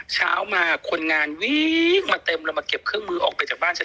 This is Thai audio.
เช้ามาคนงานวิ่งมาเต็มแล้วมาเก็บเครื่องมือออกไปจากบ้านฉัน